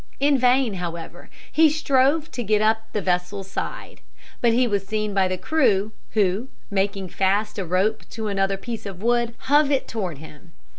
In vain, however, he strove to get up the vessel's side; but he was seen by the crew, who, making fast a rope to another piece of wood, hove it toward him.